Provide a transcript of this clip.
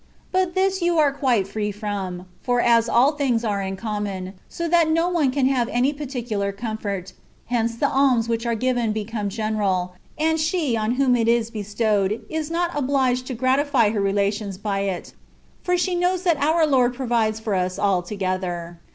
But this you are quite free from, for as all things are in common, so that no one can have any particular comfort, hence the alms which are given become general, and she on whom it is bestowed is not obliged to gratify her rela tions by it, for she knows that our Lord provides for us altogether.